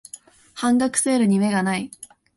半額セールに目がない